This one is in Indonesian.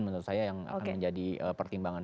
menurut saya yang akan menjadi pertimbangan